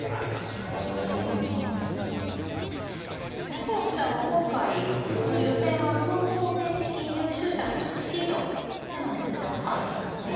八代七段は今回予選は総合成績優秀者としてシードでの出場となりますね。